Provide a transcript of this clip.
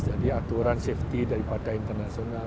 jadi aturan safety daripada internasional